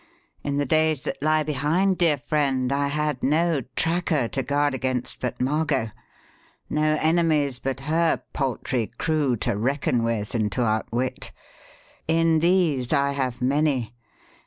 In the days that lie behind, dear friend, I had no 'tracker' to guard against but Margot, no enemies but her paltry crew to reckon with and to outwit. In these, I have many.